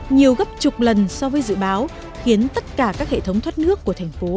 nhiều gấp chục lần so với dự báo khiến tất cả các hệ thống thoát nước của thành phố